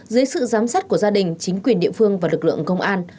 dưới sự giám sát của gia đình chính quyền địa phương và lực lượng công an